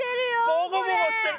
ボコボコしてる！